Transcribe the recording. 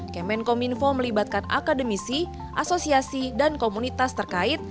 kemenkominfo melibatkan akademisi asosiasi dan komunitas terkait